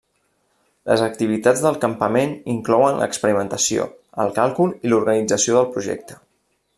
Les activitats del campament inclouen l'experimentació, el càlcul i l'organització del projecte.